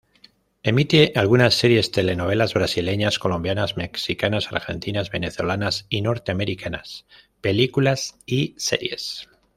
Emite algunas series, telenovelas brasileñas, colombianas, mexicanas, argentinas, venezolanas y norteamericanas, películas y series.